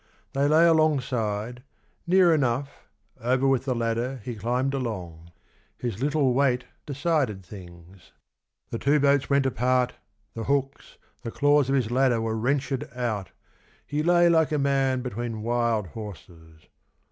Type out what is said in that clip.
They lay alongside, nenr enough, over with the ladder, he climbed along. His little weight decided things, 28 the two boats went apart, the hooks, the claws of his ladder were wrenched out, he lay like a man between wild horses.